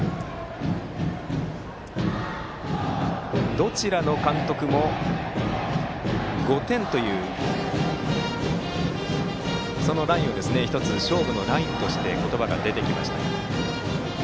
どちらの監督も５点というラインが１つ、勝負のラインとして言葉が出てきました。